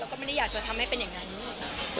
ก็ไม่ได้อยากจะทำให้เป็นอย่างนั้น